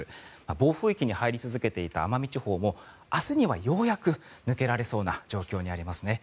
暴風域に入り続けていた奄美地方も明日にはようやく抜けられそうな状況にありますね。